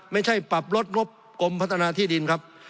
ไม่ใช่ปรับลดงบกรมพัฒนาที่ดินครับ